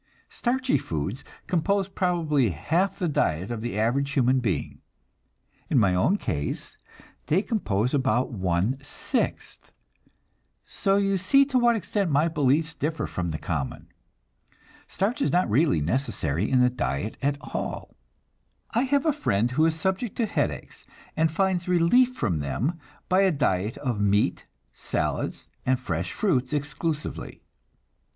Starchy foods compose probably half the diet of the average human being. In my own case, they compose about one sixth, so you see to what extent my beliefs differ from the common. Starch is not really necessary in the diet at all. I have a friend who is subject to headaches, and finds relief from them by a diet of meat, salads, and fresh fruits exclusively.